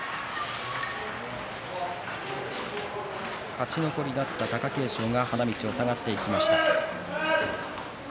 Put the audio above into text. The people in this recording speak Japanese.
勝ち残りだった貴景勝が花道を下がっていきました。